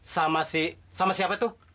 sama sih sama siapa tuh